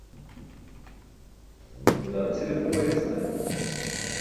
daa cʰile phu ayestami